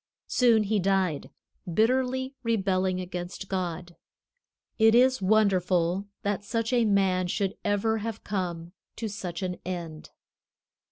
Soon he died, bitterly rebelling against God. It is wonderful that such a man should ever have come to such an end."